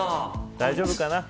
大丈夫かな。